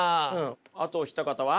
あとお一方は？